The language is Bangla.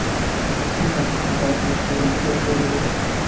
সে তাড়াতাড়ি গাড়িতে উঠিয়া পড়িল।